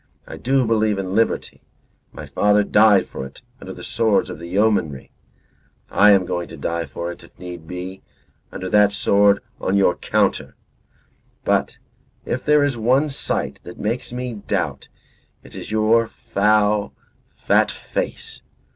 I do believe in liberty. My father died for it under the swords of the Yeomanry. I am going to die for it, if need be, under that sword on your counter. But if there is one sight that makes me doubt it it is your foul fat face.